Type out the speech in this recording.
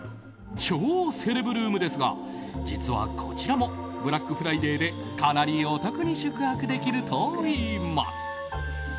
超セレブルームですが実はこちらもブラックフライデーでかなりお得に宿泊できるといいます。